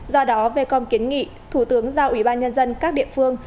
do đó vecom kiến nghị thủ tướng giao ủy ban nhân dân các địa phương